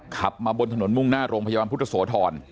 ขับมาบนถนนมุ่งหน้าโรงพยาบาลพุทธโสธร